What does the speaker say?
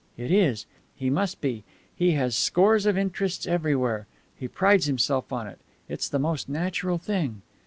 It is. He must be. He has scores of interests everywhere. He prides himself on it. It's the most natural thing."